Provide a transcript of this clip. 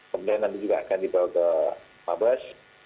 kemudian nanti juga akan dibawa ke mabes